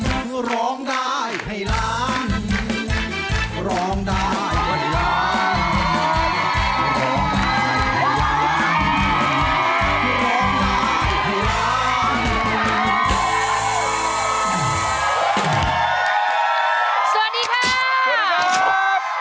สวัสดีครับสวัสดีครับ